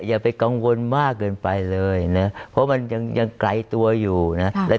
อย่าไปกังวลมากเกินไปเลยนะเพราะมันยังไกลตัวอยู่นะ